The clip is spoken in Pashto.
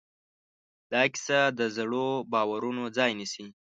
دا کیسه د زړو باورونو ځای نيسي.